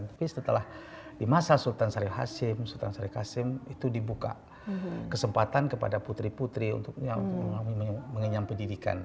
tapi setelah di masa sultan syarif hashim sultan syarif hashim itu dibuka kesempatan kepada putri putri untuk mengenyam pendidikan